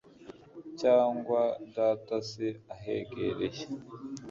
Cyangwa data se ahegereye